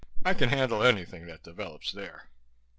"I can handle anything that develops there."